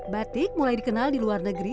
batik mulai dikenal di luar negeri